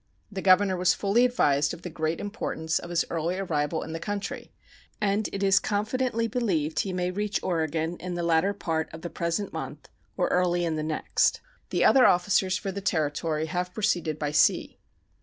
The governor was fully advised of the great importance of his early arrival in the country, and it is confidently believed he may reach Oregon in the latter part of the present month or early in the next. The other officers for the Territory have proceeded by sea.